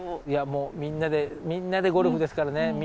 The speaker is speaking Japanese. いやもうみんなで「みんなでゴルフ」ですからね